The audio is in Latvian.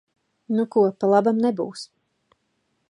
Nu ko, pa labam nebūs.